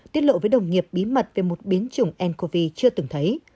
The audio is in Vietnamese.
tiết lộ với đồng nghiệp bí mật về một biến chủng ncov chưa từng thấy